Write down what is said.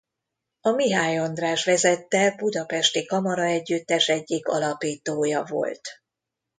A Mihály András vezette Budapesti Kamaraegyüttes egyik alapítója volt.